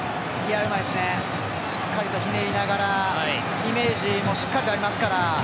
しっかりとひねりながらイメージもしっかりありますから。